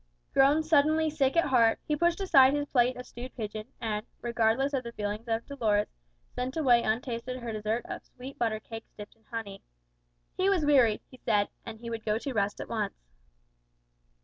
Grown suddenly sick at heart, he pushed aside his plate of stewed pigeon, and, regardless of the feelings of Dolores, sent away untasted her dessert of sweet butter cakes dipped in honey. He was weary, he said, and he would go to rest at once.